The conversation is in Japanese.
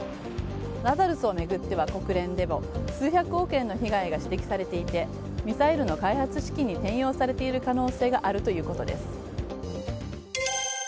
ラザルスを巡っては、国連でも数百億円の被害が指摘されていてミサイルの開発資金に転用されている可能性があるということです。